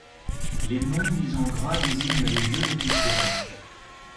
Les noms mis en gras désignent les jeux les plus courants.